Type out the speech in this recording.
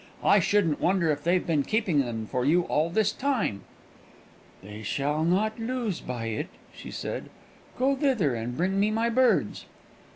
I shouldn't wonder if they've been keeping them for you all this time." "They shall not lose by it," she said. "Go thither, and bring me my birds."